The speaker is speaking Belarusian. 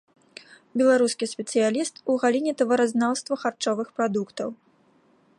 Беларускі спецыяліст у галіне таваразнаўства харчовых прадуктаў.